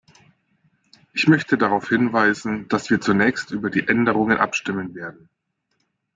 Ich möchte darauf hinweisen, dass wir zunächst über die Änderungen abstimmen werden.